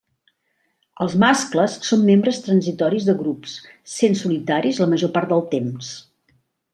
Els mascles són membres transitoris de grups, sent solitaris la major part del temps.